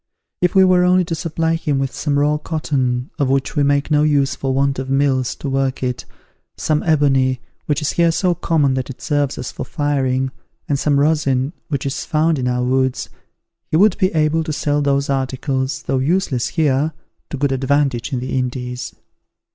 If we were only to supply him with some raw cotton, of which we make no use for want of mills to work it, some ebony, which is here so common that it serves us for firing, and some rosin, which is found in our woods, he would be able to sell those articles, though useless here, to good advantage in the Indies."